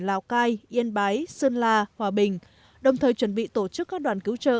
lào cai yên bái sơn la hòa bình đồng thời chuẩn bị tổ chức các đoàn cứu trợ